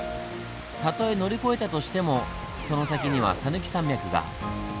たとえ乗り越えたとしてもその先には讃岐山脈が。